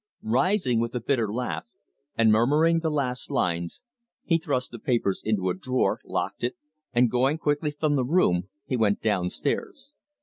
Rising with a bitter laugh, and murmuring the last lines, he thrust the papers into a drawer, locked it, and going quickly from the room, he went down stairs.